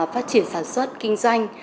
phát triển sản xuất kinh doanh